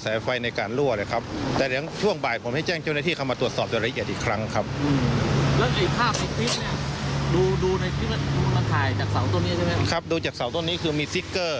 เสาต้นนี้คือมีสี่เก้อ